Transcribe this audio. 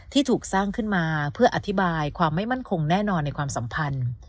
ที่ถูกสร้างขึ้นมาเพื่ออธิบายความไม่มั่นคงแน่นอนในความสัมพันธ์